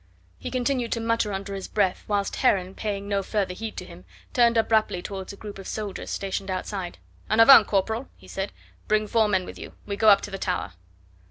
He continued to mutter under his breath, whilst Heron, paying no further heed to him, turned abruptly towards a group of soldiers stationed outside. "En avant, corporal!" he said; "bring four men with you... we go up to the tower."